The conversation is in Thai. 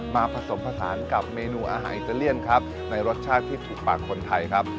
ผสมผสานกับเมนูอาหารอิตาเลียนครับในรสชาติที่ถูกปากคนไทยครับ